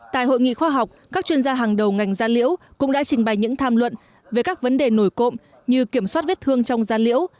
tại hội nghị khoa học các chuyên gia hàng đầu ngành da liễu cũng đã trình bày những tham luận về các vấn đề nổi cộng như kiểm soát vết thương trong da liễu